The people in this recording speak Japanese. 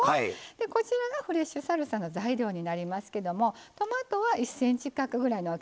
こちらがフレッシュサルサの材料になりますけどもトマトは１ｃｍ角ぐらいの大きさに切ってます。